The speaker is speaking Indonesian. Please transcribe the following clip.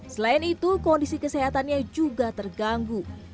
selain itu kondisi kesehatannya juga terganggu